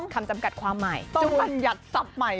คำจำกัดความใหม่ต้องถนยัดทรัพย์ใหม่